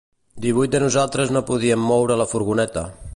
Divuit de nosaltres no podíem moure la furgoneta.